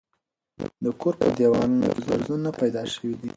د کور په دېوالونو کې درځونه پیدا شوي دي.